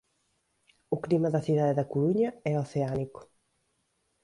O clima da cidade da Coruña é oceánico.